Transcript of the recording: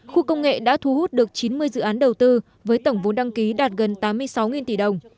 khu công nghệ đã thu hút được chín mươi dự án đầu tư với tổng vốn đăng ký đạt gần tám mươi sáu tỷ đồng